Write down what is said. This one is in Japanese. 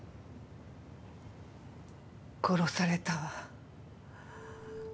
殺されたわ。